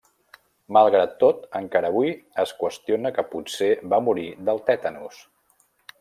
Malgrat tot, encara avui es qüestiona que potser va morir del tètanus.